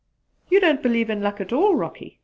"You don't believe in luck at all, Rocky?"